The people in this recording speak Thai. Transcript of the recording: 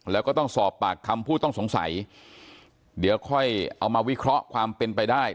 แล้วก็ต้องสอบปากคำผู้ต้องสงสัยเดี๋ยวค่อยเอามาวิเคราะห์ความเป็นไปได้